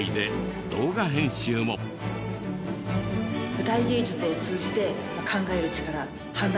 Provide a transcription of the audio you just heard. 舞台芸術を通じて考える力判断力思考力